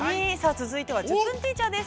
続いては「１０分ティーチャー」です。